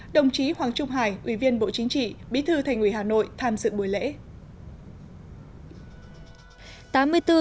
đồng chí hoàng trung hải ủy viên bộ chính trị bí thư thành ủy hà nội tham dự buổi lễ